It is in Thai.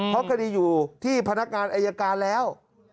เพราะคดีอยู่ที่พนักงานอายการแล้ว